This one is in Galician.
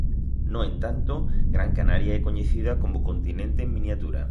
No entanto Gran Canaria é coñecida como "continente en miniatura".